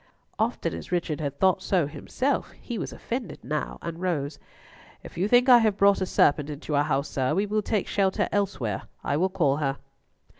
Often as Richard had thought so himself, he was offended now, and rose, "If you think I have brought a serpent into your house, sir, we will take shelter elsewhere. I will call her."